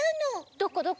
どこどこ？